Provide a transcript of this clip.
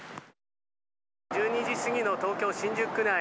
１２時過ぎの東京・新宿区内。